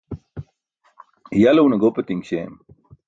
Ya le une gopatiṅ śeem.